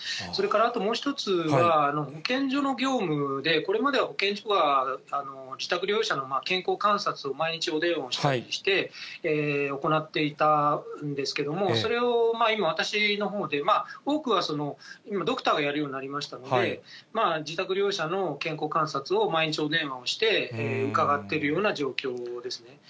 それからあともう１つは、保健所の業務で、これまでは保健所が自宅療養者の健康観察を、毎日お電話してまして、行っていたんですけども、それを今、私のほうで、多くはその、今、ドクターがやるようになりましたので、自宅療養者の健康観察を毎日お電話をして、伺っているような状況ですね。